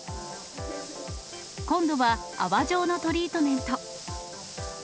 今度は、泡状のトリートメント。